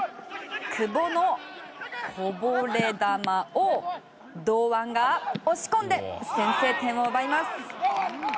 久保のこぼれ球を堂安が押し込んで先制点を奪います！